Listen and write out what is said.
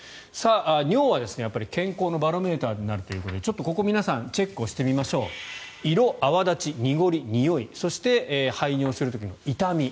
尿は健康のバロメーターになるということでここ、皆さんチェックしてみましょう色、泡立ち、にごり、においそして排尿するときの痛み。